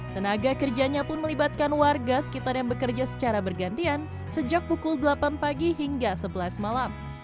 tenaga kerjanya pun melibatkan warga sekitar yang bekerja secara bergantian sejak pukul delapan pagi hingga sebelas malam